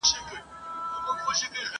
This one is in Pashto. ویل ژر سه مُلا پورته سه کښتۍ ته !.